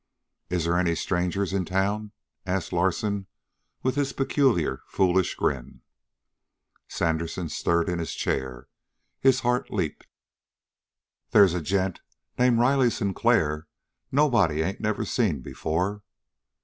"Is they any strangers in town?" asked Larsen with his peculiar, foolish grin. Sandersen stirred in his chair; his heart leaped. "There's a gent named Riley Sinclair nobody ain't never seen before."